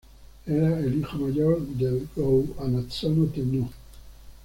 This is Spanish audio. Era el hijo mayor del Go-Hanazono Tennō.